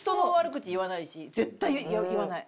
絶対言わない。